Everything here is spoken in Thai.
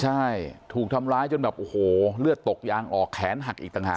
ใช่ถูกทำร้ายจนแบบโอ้โหเลือดตกยางออกแขนหักอีกต่างหาก